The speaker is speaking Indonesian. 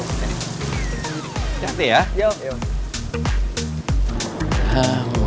gak ada ya